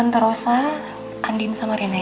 ntarosa andien sama rena ya